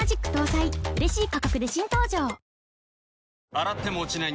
洗っても落ちない